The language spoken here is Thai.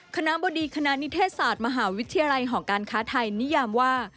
คณะบดีคณะนิเทศศาสตร์มหาวิทยาลัยหอการค้าไทยนิยามว่า